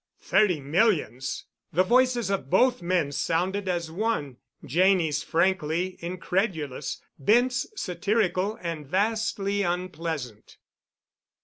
"Thirty millions?" The voices of both men sounded as one, Janney's frankly incredulous—Bent's satirical and vastly unpleasant.